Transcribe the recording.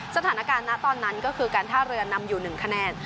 สถานการณ์นะตอนนั้นก็คือการท่าเรือนำอยู่๑คะแนน